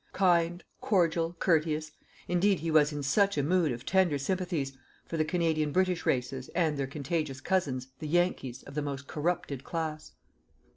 Kind, cordial, courteous, indeed he was in such a mood of tender sympathies for the Canadian British races and their contagious cousins the Yankees of the most corrupted class!